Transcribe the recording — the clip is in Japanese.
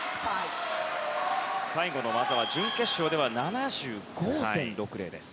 最後の技は準決勝では７５．６０。